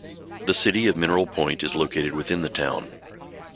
The City of Mineral Point is located within the town.